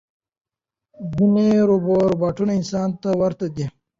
ځینې روباټونه انسان ته ورته دي.